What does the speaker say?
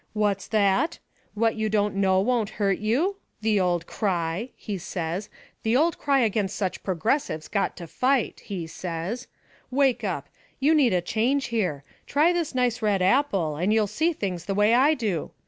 What's that? What you don't know won't hurt you? The old cry', he says, 'the old cry against which progressives got to fight,' he says. 'Wake up. You need a change here. Try this nice red apple, and you'll see things the way I do.'